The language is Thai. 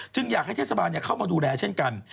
อยากให้เทศบาลเข้ามาดูแลเช่นกัน